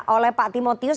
oleh pak timotius